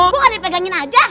gue kan dipegangin aja